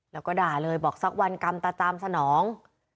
แล้วก็ด่าเลยบอกสักวันกรรมตาตามสนอง